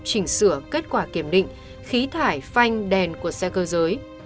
chỉnh sửa kết quả kiểm định khí thải phanh đèn của xe cơ giới